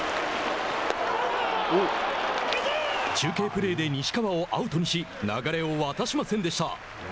中継プレーで西川をアウトにし流れを渡しませんでした。